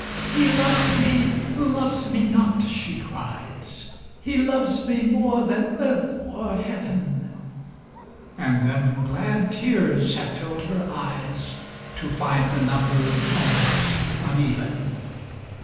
"He loves me, loves me not," she cries; "He loves me more than earth or heaven!" And then glad tears have filled her eyes To find the number was uneven.